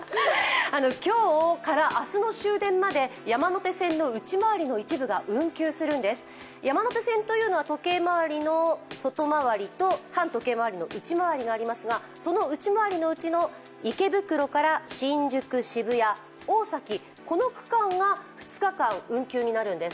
今日から明日の終電まで山手線は外回りが運休するんです、山手線というのは時計回りの外回りと反時計回りの内回りがありますがその内回りのうちの池袋から、新宿渋谷、大崎、この区間が２日間運休になるんです。